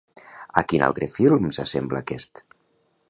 A quin altre film s'assembla aquest?